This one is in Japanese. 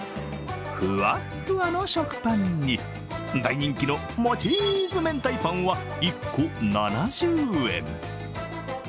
ふわっふわの食パンに、大人気のもちず明太パンは１個７０円。